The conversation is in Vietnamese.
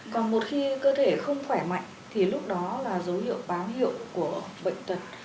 còn một khi cơ thể không khỏe mạnh thì lúc đó là dấu hiệu báo hiệu của bệnh tật